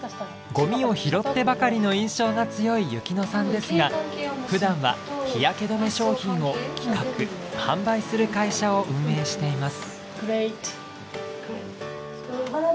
ゴミを拾ってばかりの印象が強い由希乃さんですが普段は日焼け止め商品を企画販売する会社を運営しています。